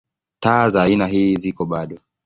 Taa za aina ii ziko bado.